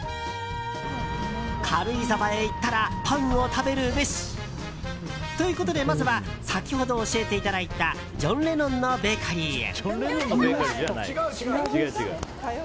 軽井沢へ行ったらパンを食べるべし！ということでまずは先ほど教えていただいたジョン・レノンのベーカリーへ。